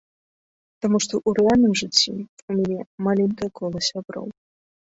Таму што ў рэальным жыцці ў мяне маленькае кола сяброў.